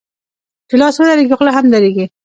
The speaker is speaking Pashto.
چي لاس و درېږي ، خوله هم درېږي.